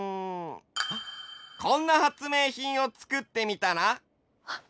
こんな発明品をつくってみたら？